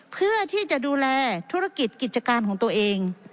เพื่อที่จะดูแลธุรกิจกิจการของตัวเอง